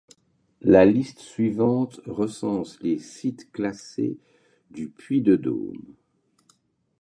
La liste suivante recense les sites classés du Puy-de-Dôme.